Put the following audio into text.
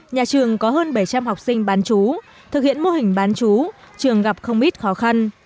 nhà trường có hơn bảy trăm linh học sinh bán chú thực hiện mô hình bán chú trường gặp không ít khó khăn